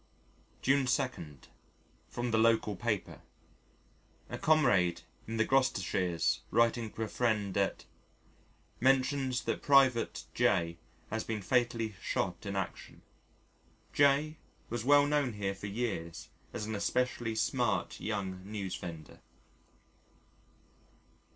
June 2. From the local paper: "A comrade in the Gloucesters writing to a friend at mentions that Pte. J has been fatally shot in action. J was well known here for years as an especially smart young newsvendor."